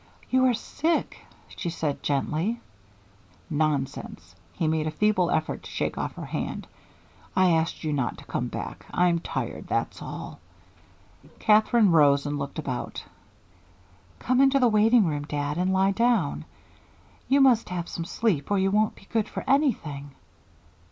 "You are sick," she said gently. "Nonsense" he made a feeble effort to shake off her hand "I asked you not to come back. I'm tired, that's all." Katherine rose and looked about. "Come into the waiting room, dad, and lie down. You must have some sleep or you won't be good for anything."